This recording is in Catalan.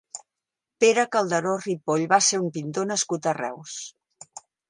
Pere Calderó Ripoll va ser un pintor nascut a Reus.